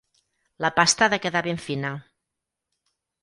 La pasta ha de quedar ben fina.